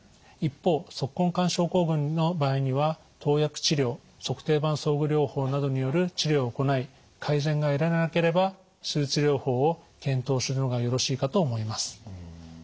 一方足根管症候群の場合には投薬治療足底板装具療法などによる治療を行い改善が得られなければ手術療法を検討するのがよろしいかと思います。